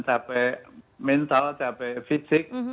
capek mental capek fisik